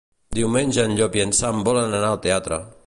Diumenge en Llop i en Sam volen anar al teatre.